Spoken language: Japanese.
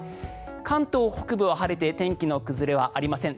関東北部は晴れて天気の崩れはありません。